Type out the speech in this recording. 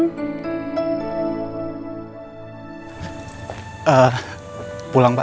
tunda sebentar kek sampai selesai ngomong